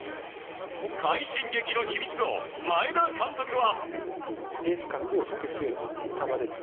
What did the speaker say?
快進撃の秘密を前田監督は。